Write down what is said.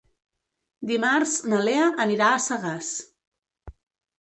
Dimarts na Lea anirà a Sagàs.